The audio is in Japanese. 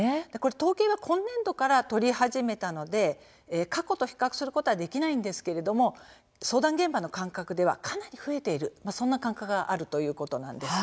統計は今年度から取り始めたので過去と比較はできませんが相談現場の感覚ではかなり増えているという感覚があるということです。